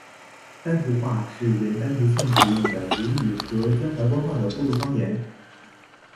丹徒话是原丹徒县使用的吴语和江淮官话的过渡方言。